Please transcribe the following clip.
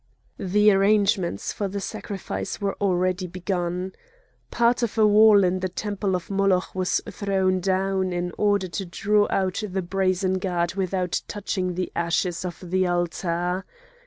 The arrangements for the sacrifice were already begun. Part of a wall in the temple of Moloch was thrown down in order to draw out the brazen god without touching the ashes of the altar.